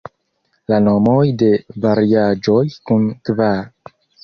La nomoj de variaĵoj kun kvar.